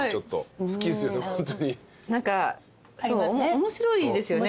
面白いですよね。